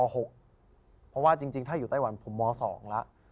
เพราะว่าจริงถ้าอยู่ไต้หวันผมม๒แล้ว